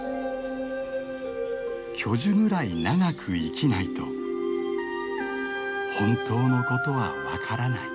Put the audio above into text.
「巨樹ぐらい長く生きないと本当のことは分からない」。